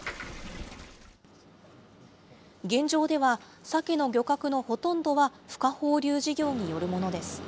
現状ではサケの漁獲のほとんどはふ化放流事業によるものです。